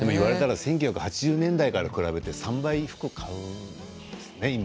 １９８０年代と比べて３倍、服を買うんですね。